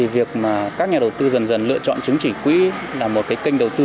việc các nhà đầu tư dần dần lựa chọn chiến trị quỹ là một kênh đầu tư